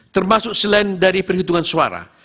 termasuk selain dari perhitungan suara